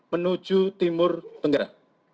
menuju timur tenggara